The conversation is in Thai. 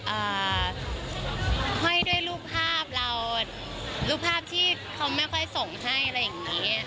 ห้อยด้วยรูปภาพเรารูปภาพที่เขาไม่ค่อยส่งให้อะไรอย่างนี้